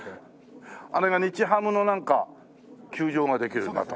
あれが日ハムのなんか球場ができるんだと。